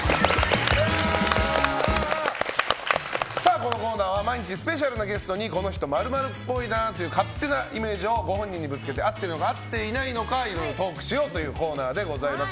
このコーナーは毎日スペシャルなゲストにこの人○○っぽいなという勝手なイメージをご本人にぶつけて合ってるのか合ってないのかいろいろトークしようというコーナーでございます。